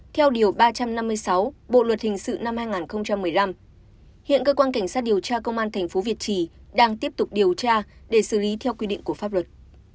từ năm hai nghìn một mươi năm hiện cơ quan cảnh sát điều tra công an thành phố việt trì đang tiếp tục điều tra để xử lý theo quy định của pháp luật